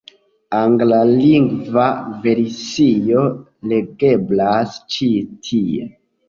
Anglalingva versio legeblas ĉi tie.